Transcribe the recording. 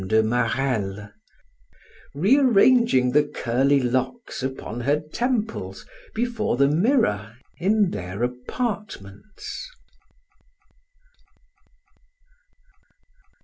de Marelle, rearranging the curly locks upon her temples before the mirror in their apartments.